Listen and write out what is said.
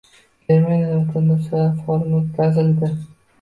Germaniyada vatandoshlar forumi oʻtkazildi